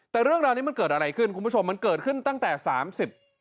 แต่เรื่องราวนี้มันเกิดอะไรขึ้นคุณผู้ชมมันเกิดขึ้นตั้งแต่สามสิบ